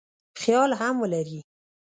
خیال هم ولري.